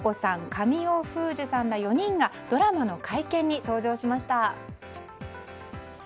神尾楓珠さんら４人がドラマの会見に登場しました。